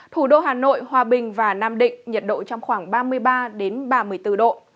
thủ đô hà nội hòa bình và nam định nhiệt độ trong khoảng ba mươi ba ba mươi bốn độ